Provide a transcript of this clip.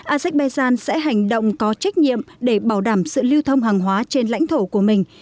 azerbaijan sẽ hành động có trách nhiệm để bảo đảm sự lưu thông hàng hóa trên lãnh thổ của mình